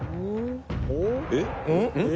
えっ？